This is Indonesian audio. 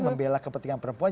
membela kepentingan perempuan